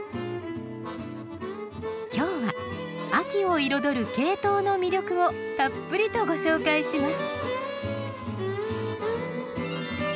今日は秋を彩るケイトウの魅力をたっぷりとご紹介します。